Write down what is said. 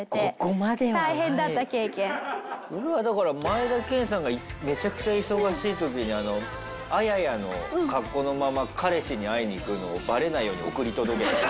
俺はだから前田健さんがめちゃくちゃ忙しい時にあややの格好のまま彼氏に会いに行くのをバレないように送り届けて。